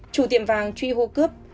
chủ tiệm vàng truy hô cướp